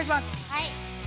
はい。